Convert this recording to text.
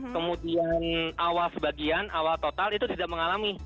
kemudian awal sebagian awal total itu tidak mengalami